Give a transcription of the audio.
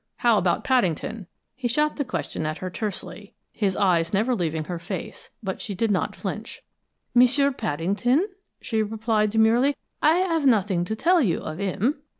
How about Paddington?" He shot the question at her tersely, his eyes never leaving her face, but she did not flinch. "M'sieu Paddington?" she repeated demurely. "I have nothing to tell you of him."